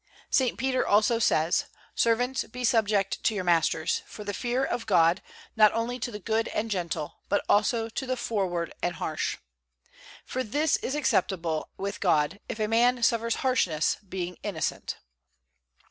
St. Peter also says: "Servants, be subject to your masters, for the fear of God, not only to the good and gentle, but also to the froward and harsh. For this is acceptable with God, if a man suffers harshness, being innocent."